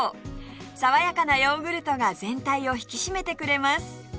爽やかなヨーグルトが全体を引き締めてくれます